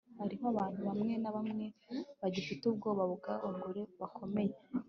hariho abantu bamwe na bamwe bagifite ubwoba bw'abagore bakomeye